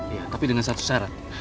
iya tapi dengan satu syarat